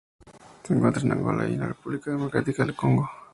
Se encuentra en Angola y en la República Democrática del Congo.